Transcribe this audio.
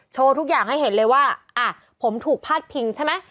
ทุกอย่างให้เห็นเลยว่าอ่ะผมถูกพาดพิงใช่ไหม